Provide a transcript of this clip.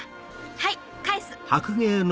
はい返す！